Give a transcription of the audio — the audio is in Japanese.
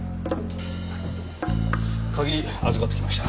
鍵預かってきました。